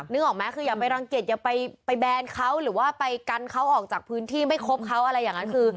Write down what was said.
นึกออกไหมคืออย่าไปรังเกียจอย่าไปแบนเขาหรือว่าไปกันเขาออกจากพื้นที่ไม่ครบเขาอะไรอย่างนั้นคือ